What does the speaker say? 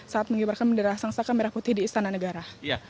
saat mengibarkan bendera sangsaka merah putih di istana negara